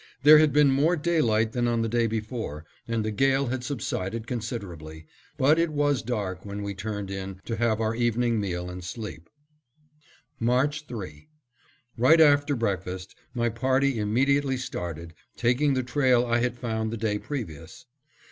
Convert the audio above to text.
There had been more daylight than on the day before, and the gale had subsided considerably, but it was dark when we turned in to have our evening meal and sleep. March 3: Right after breakfast, my party immediately started, taking the trail I had found the day previous.